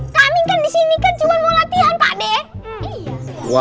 kami kan disini kan cuma mau latihan pak d